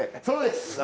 そうです！